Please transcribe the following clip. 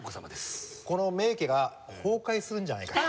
この名家が崩壊するんじゃないかと。